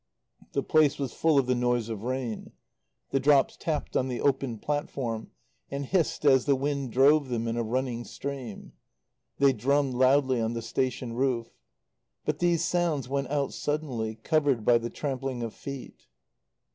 The place was full of the noise of rain. The drops tapped on the open platform and hissed as the wind drove them in a running stream. They drummed loudly on the station roof. But these sounds went out suddenly, covered by the trampling of feet.